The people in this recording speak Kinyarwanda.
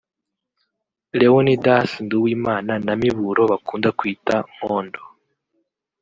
Leonidas Nduwimana na miburo bakunda kwita Nkondo